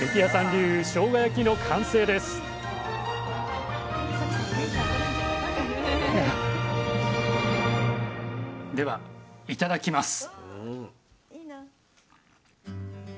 流しょうが焼きの完成ですではいただきます。